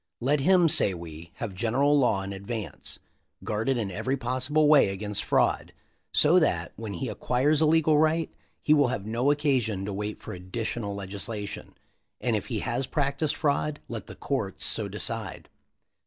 "Let him, say we, have general law in advance (guarded in every possible way against fraud), so that, when he acquires a legal right, he will have no occasion to wait for additional legislation ; and if he has practiced fraud let the courts so decide."